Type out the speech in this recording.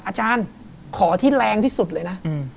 อาจารย์ขอที่แรงที่สุดเลยนะ